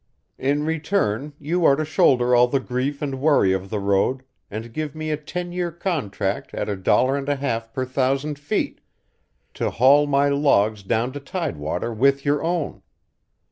"In return you are to shoulder all the grief and worry of the road and give me a ten year contract at a dollar and a half per thousand feet, to haul my logs down to tidewater with your own.